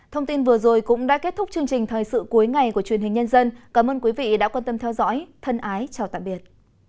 thông tin vừa rồi cũng đã kết thúc chương trình thời sự cuối ngày của truyền hình nhân dân cảm ơn quý vị đã quan tâm theo dõi thân ái chào tạm biệt